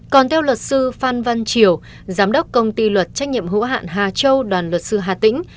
còn theo luật sư phan văn triều giám đốc công ty luật trách nhiệm hữu hạn hà châu đoàn luật sư hà tĩnh